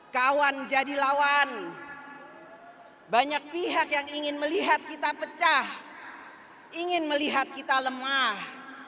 kawan jadi lawan banyak pihak yang ingin melihat kita pecah ingin melihat kita lemah